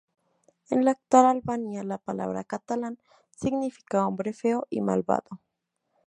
En la actual Albania, la palabra "catalán" significa "hombre feo y malvado".